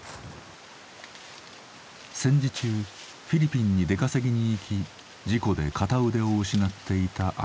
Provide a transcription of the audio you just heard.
戦時中フィリピンに出稼ぎに行き事故で片腕を失っていた兄。